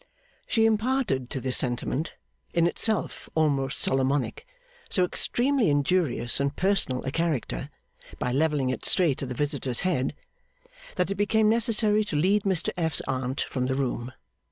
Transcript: She imparted to this sentiment, in itself almost Solomonic, so extremely injurious and personal a character by levelling it straight at the visitor's head, that it became necessary to lead Mr F.'s Aunt from the room.